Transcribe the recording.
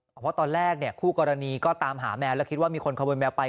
เพราะตอนแรกคู่กรณีก็ตามหาแมวแล้วคิดว่ามีคนขโมยแมวไป